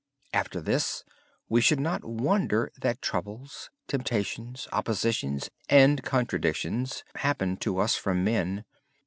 After this, we should not wonder that troubles, temptations, oppositions, and contradictions happen to us from men.